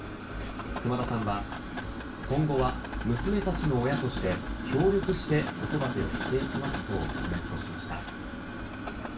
熊田さんは今後は娘たちの親として協力して子育てをしていきますとコメントしました。